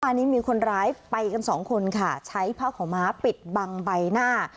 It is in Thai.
อันนี้มีคนร้ายไปกันสองคนค่ะใช้ผ้าขาวม้าปิดบังใบหน้า